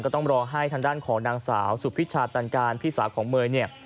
ต้องรอให้ทางด้านของนางสาวสุพิชาตันการพี่สาวของเมย์เนี่ย